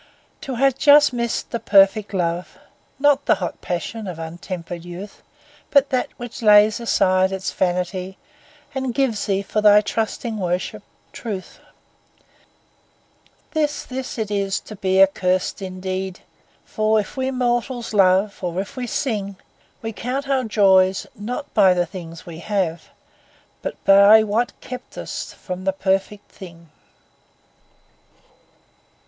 To have just missed the perfect love, Not the hot passion of untempered youth, But that which lays aside its vanity And gives thee, for thy trusting worship, truth— This, this it is to be accursed indeed; For if we mortals love, or if we sing, We count our joys not by the things we have, But by what kept us from the perfect thing.